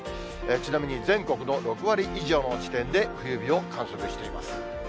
ちなみに全国の６割以上の地点で冬日を観測しています。